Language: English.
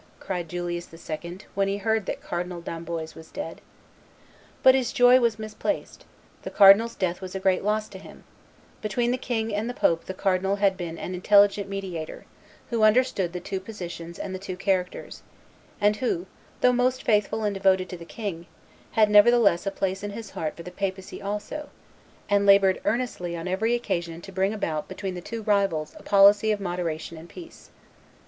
cried Julius II., when he heard that Cardinal d'Amboise was dead. But his joy was misplaced: the cardinal's death was a great loss to him; between the king and the pope the cardinal had been an intelligent mediator, who understood the two positions and the two characters, and who, though most faithful and devoted to the king, had nevertheless a place in his heart for the papacy also, and labored earnestly on every occasion to bring about between the two rivals a policy of moderation and peace.